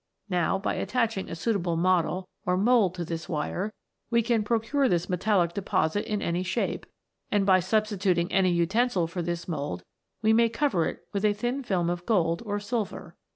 Now by attaching a suitable model or nould to this wire we can procure this metallic 28 THE AMBER SPIRIT. deposit in any shape, and by substituting any utensil for this mould, we may cover it with a film of gold or silver.